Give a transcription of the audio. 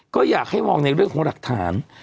ก็อยากให้มองในเรื่องของหลักฐาน